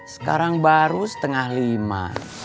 sekarang baru setengah lima